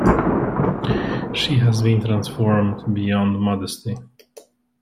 She has been transformed beyond modesty.